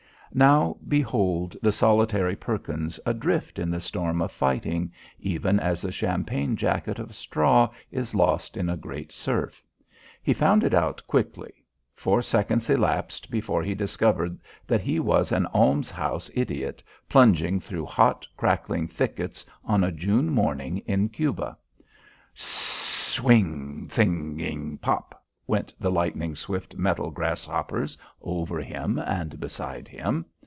Now behold the solitary Perkins adrift in the storm of fighting, even as a champagne jacket of straw is lost in a great surf. He found it out quickly. Four seconds elapsed before he discovered that he was an almshouse idiot plunging through hot, crackling thickets on a June morning in Cuba. Sss s swing sing ing pop went the lightning swift metal grasshoppers over him and beside him.